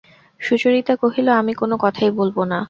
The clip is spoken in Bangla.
সুচরিতা কহিল, আমি কোনো কথাই বলব না।